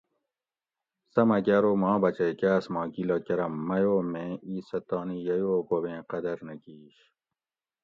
سہ مکہ ارو ماں بچئ کاۤس ما گیلہ کرم مئ او میں ایسہ تانی ییو بوبیں قدر نہ کِیش